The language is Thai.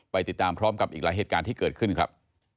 ไปติดตามพร้อมกับอีกหลายเหตุการณ์ที่เกิดขึ้นครับ